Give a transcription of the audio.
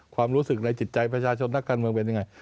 ความรู้สึกในจิตใจประชาชนนักการเมืองเป็นยังไง